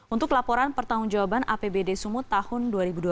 untuk laporan pertanggungjawaban apbd sumut tahun dua ribu dua belas